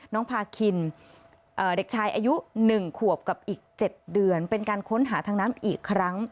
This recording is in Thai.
น้องพาคินเด็กชายอายุ๑ขวบกับอีก๗เดือนเป็นการค้นหาทางน้ำอีกครั้ง